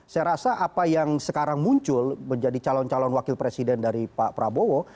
saya rasa apa yang sekarang muncul menjadi calon calon wakil presiden dari pak prabowo